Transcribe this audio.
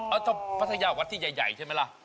อ้าวภัทยาวัดที่ใหญ่เหร่าไหมล่ะ